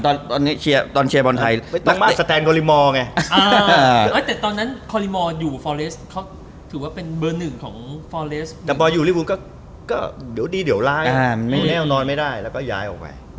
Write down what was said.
แต่พออยู่ในภูมิครับดีเดี๋ยวล้ายแน่วนอนไม่ได้แล้วก็ย้ายออกไป